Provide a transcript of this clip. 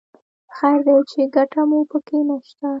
خیر دی چې ګټه مو په کې نه شته.